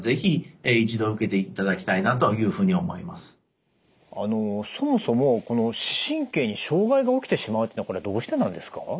特にそもそもこの視神経に障害が起きてしまうというのはどうしてなんですか？